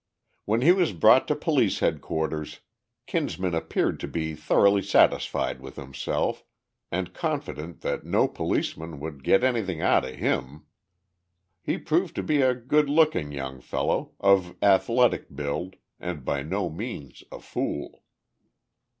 When he was brought to Police Headquarters Kinsman appeared to be thoroughly satisfied with himself, and confident that no policeman would get anything out of him. He proved to be a good looking young fellow, of athletic build, and by no means a fool.